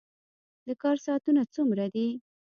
د کار ساعتونه څومره دي؟